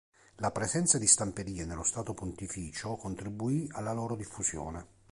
La presenza di stamperie nello Stato Pontificio contribuì alla loro diffusione.